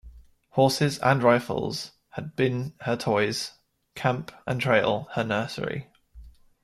Horses and rifles had been her toys, camp and trail her nursery.